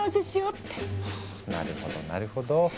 なるほどなるほど。